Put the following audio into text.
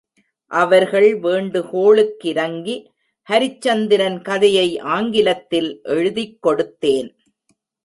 அவர்கள் வேண்டுகோளுக்கிரங்கி ஹரிச்சந்திரன் கதையை ஆங்கிலத்தில் எழுதிக் கொடுத்தேன்.